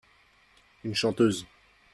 Une chanteuse.